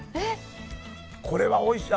これはおいしい。